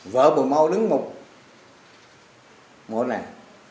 vợ bùi mâu đứng một một này